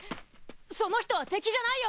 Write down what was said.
その人は敵じゃないよ！